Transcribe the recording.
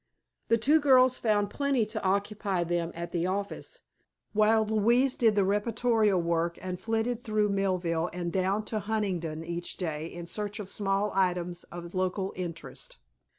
The two girls found plenty to occupy them at the office, while Louise did the reportorial work and flitted through Millville and down to Huntingdon each day in search of small items of local interest.